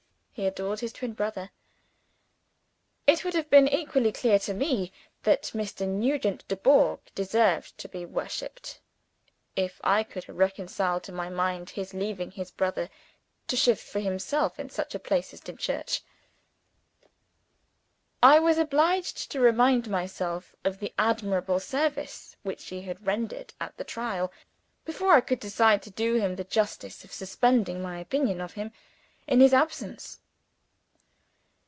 He adored his twin brother. It would have been equally clear to me that Mr. Nugent Dubourg deserved to be worshipped, if I could have reconciled to my mind his leaving his brother to shift for himself in such a place as Dimchurch. I was obliged to remind myself of the admirable service which he had rendered at the trial, before I could decide to do him the justice of suspending my opinion of him, in his absence.